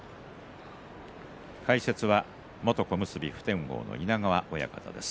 解説は元小結普天王の稲川親方です。